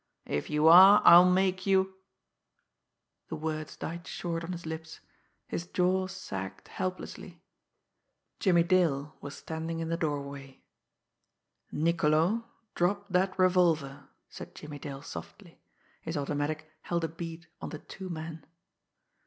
If you are, I'll make you " The words died short on his lips his jaw sagged helplessly. Jimmie Dale was standing in the doorway. "Niccolo, drop that revolver!" said Jimmie Dale softly. His automatic held a bead on the two men.